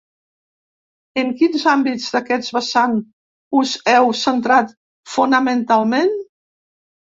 En quins àmbits d’aquest vessant us heu centrat fonamentalment?